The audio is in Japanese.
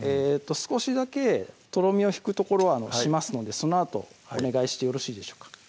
少しだけとろみをひくところしますのでそのあとお願いしてよろしいでしょうか